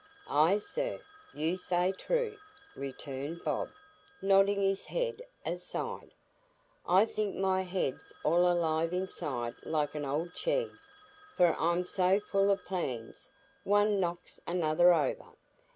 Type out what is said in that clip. "Ay, sir, you say true," returned Bob, nodding his head aside; "I think my head's all alive inside like an old cheese, for I'm so full o' plans, one knocks another over.